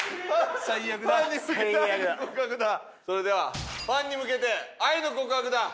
それではファンに向けて愛の告白だ。